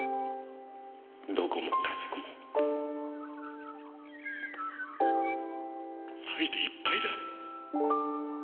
どこもかしこも愛でいっぱいだ。